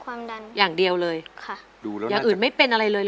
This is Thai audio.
ความดันอย่างเดียวเลยอย่างอื่นไม่เป็นอะไรเลยเหรอ